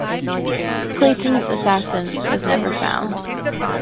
Clayton's assassin was never found.